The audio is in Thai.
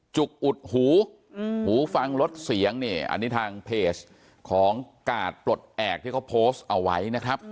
จุกอุดหูหูฟังลดเสียงเนี่ยอันนี้ทางเพจของกาดปลดแอบที่เขาโพสต์เอาไว้นะครับ